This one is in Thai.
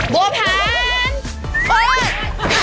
บัวพรรดิเปิด